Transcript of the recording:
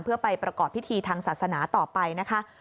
เพื่อไปประกอบพิธีทางศาสนาต่อไปนะคะ